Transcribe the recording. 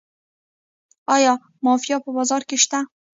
آیا مافیا په بازار کې شته؟